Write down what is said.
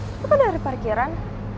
itu kan dari parkiran